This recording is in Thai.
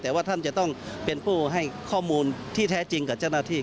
แต่ว่าท่านจะต้องเป็นผู้ให้ข้อมูลที่แท้จริงกับเจ้าหน้าที่